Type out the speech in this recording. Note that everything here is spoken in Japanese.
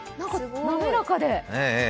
滑らかで。